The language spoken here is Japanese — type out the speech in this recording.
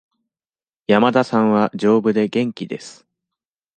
山田さんは丈夫で元気です。